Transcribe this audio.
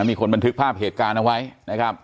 มีคนบันทึกภาพเหตุการณ์เอาไว้นะครับ